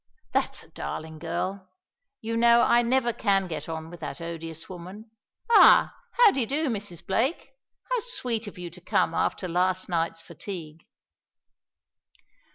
"That's a darling girl! You know I never can get on with that odious woman. Ah! how d'ye do, Mrs. Blake? How sweet of you to come after last night's fatigue."